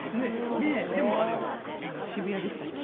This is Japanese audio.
でも渋谷でしたっけ？